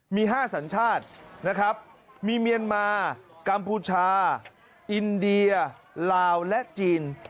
มี๕สัญชาตินะครับมีเมียนมากัมพูชาอินเดียลาวและจีน